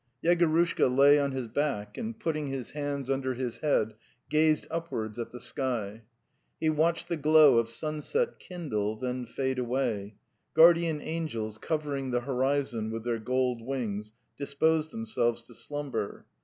Yegorushka lay on his back, and, putting his hands under his head, gazed upwards at the sky. He watched the glow of sunset kindle, then fade away; guardian angels covering the horizon with their gold wings disposed themselves to slumber.